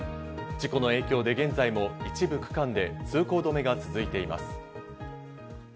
事故の影響で現在も一部区間で通行止めが続いています。